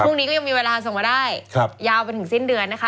พรุ่งนี้ก็ยังมีเวลาส่งมาได้ยาวไปถึงสิ้นเดือนนะคะ